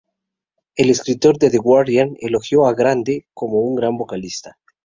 El escritor de The Guardian, elogió a Grande como una gran vocalista.